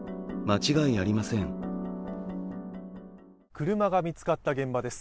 車が見つかった現場です。